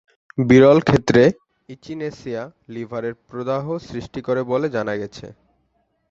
বিরল ক্ষেত্রে, ইচিনেসিয়া লিভারের প্রদাহ সৃষ্টি করে বলে জানা গেছে।